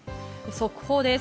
速報です。